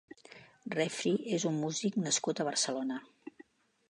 Refree és un músic nascut a Barcelona.